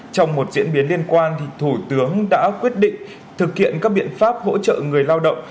trong một diễn biến liên quan thủ tướng đã quyết định thực hiện các biện pháp hỗ trợ người lao động